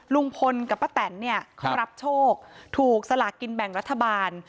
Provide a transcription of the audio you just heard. ลุงพลกับป้าแตนเนี่ยเขารับโชคถูกสลากกินแบ่งรัฐบาล